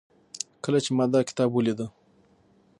کله چې ما دا کتاب وليده